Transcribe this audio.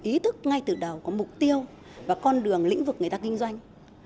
người ta có sự ý thức ngay từ đầu có mục tiêu và con đường lĩnh vực người ta kinh doanh